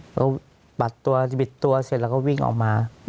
เขาปัดตัวบิดตัวเสร็จแล้วก็วิ่งออกมา